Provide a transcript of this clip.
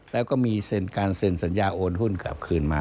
แล้วก็มีเซ็นการเซ็นสัญญาโอนหุ้นกลับคืนมา